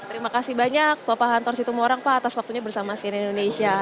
terima kasih banyak bapak hantor situmorang pak atas waktunya bersama sian indonesia